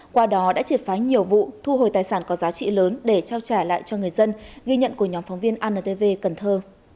qua đó đã triệt phá nhiều vụ thu hồi tài sản có giá trị lớn để trao trả lại cho người dân ghi nhận của nhóm phóng viên antv cần thơ